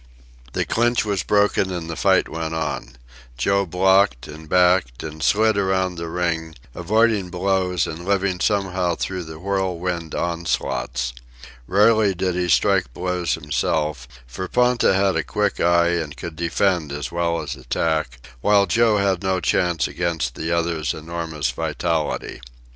The clinch was broken and the fight went on. Joe blocked, and backed, and slid around the ring, avoiding blows and living somehow through the whirlwind onslaughts. Rarely did he strike blows himself, for Ponta had a quick eye and could defend as well as attack, while Joe had no chance against the other's enormous vitality.